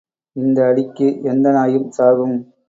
இந்த அடிக்கு எந்த நாயும் சாகும்.